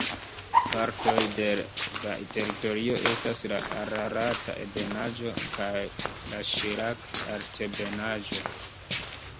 Partoj de la teritorio estas la Ararat-ebenaĵo kaj la Ŝirak-altebenaĵo.